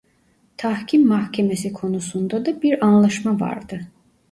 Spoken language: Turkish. Tahkim mahkemesi konusunda da bir anlaşma vardı.